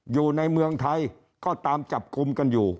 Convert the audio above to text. อยู่ในเมืองไทยก็ตามจับกลุ่มกันอยู่